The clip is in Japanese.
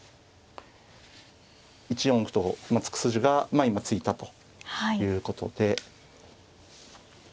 １四歩と突く筋がまあ今突いたということですね。